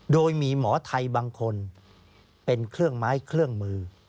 โดยมีหมอไทยบางคนเป็นเครื่องไม้เครื่องมือ